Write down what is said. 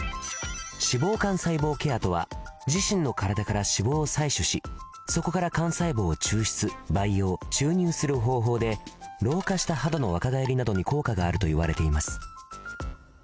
脂肪幹細胞ケアとは自身の体から脂肪を採取しそこから幹細胞を抽出培養注入する方法で老化した肌の若返りなどに効果があるといわれています